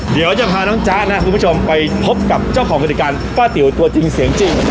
เดี๋ยวจะพาน้องจ๊ะนะครับคุณผู้ชมไปพบกับเจ้าของกฎิการป้าติ๋วตัวจริงเสียงจริง